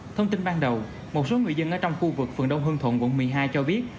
thông tin ban đầu một số người dân ở trong khu vực phường đông hương thuận quận một mươi hai cho biết